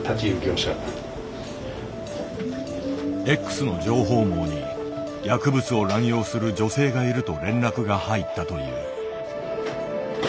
Ｘの情報網に薬物を乱用する女性がいると連絡が入ったという。